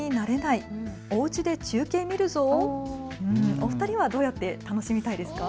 お二人はどうやって楽しみたいですか。